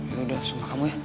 ya udah semua kamu ya